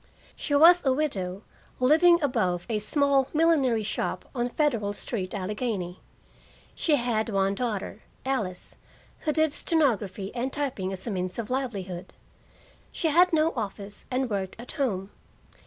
She was a widow, living above a small millinery shop on Federal Street, Allegheny. She had one daughter, Alice, who did stenography and typing as a means of livelihood. She had no office, and worked at home.